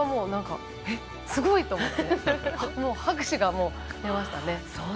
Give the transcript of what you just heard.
すごい！って思って拍手が出ましたね。